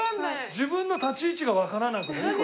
自分の立ち位置がわからなくなる。